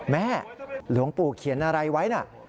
หลวงปู่เขียนอะไรไว้นะ